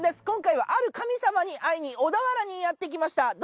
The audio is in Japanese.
今回は、ある神様に会いに、小田原にやって来ました。